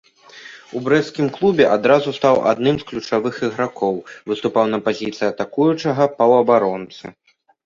У брэсцкім клубе адразу стаў адным з ключавых ігракоў, выступаў на пазіцыі атакуючага паўабаронцы.